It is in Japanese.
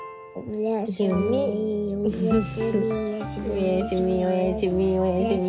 おやすみおやすみおやすみ。